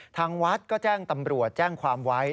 ทางวัดก็แจ้งตำรวจแจ้งความไว้